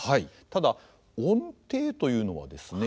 ただ音程というのはですね